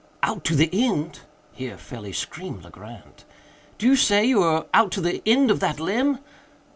"Out to the end!" here fairly screamed Legrand, "do you say you are out to the end of that limb?"